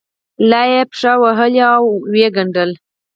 لا یې پښه وهله او یې کیندله.